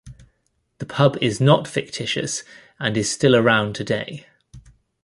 The pub is not fictitious, and is still around today.